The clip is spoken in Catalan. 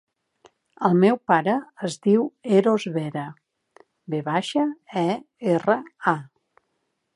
El meu pare es diu Eros Vera: ve baixa, e, erra, a.